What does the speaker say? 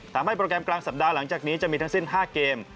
โปรแกรมกลางสัปดาห์หลังจากนี้จะมีทั้งสิ้น๕เกม